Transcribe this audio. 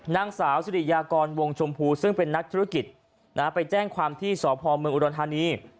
นางสาวสิริยากรวงชมพูซึ่งเป็นนักธุรกิจไปแจ้งความที่สพเมืองอุดรธานี